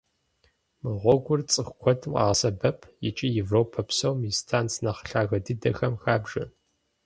Мы гъуэгур цӀыху куэдым къагъэсэбэп икӀи Европэ псом и станц нэхъ лъагэ дыдэхэм хабжэ.